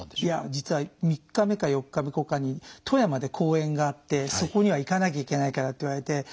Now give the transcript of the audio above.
いや実は３日目か４日後かに富山で公演があってそこには行かなきゃいけないからって言われて。